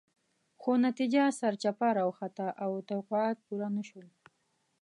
خو نتیجه سرچپه راوخته او توقعات پوره نه شول.